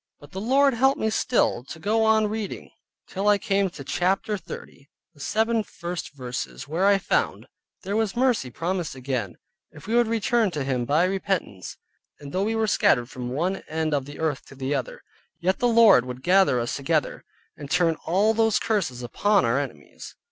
But the Lord helped me still to go on reading till I came to Chap. 30, the seven first verses, where I found, there was mercy promised again, if we would return to Him by repentance; and though we were scattered from one end of the earth to the other, yet the Lord would gather us together, and turn all those curses upon our enemies.